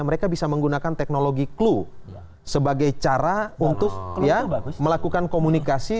mereka bisa menggunakan teknologi clue sebagai cara untuk melakukan komunikasi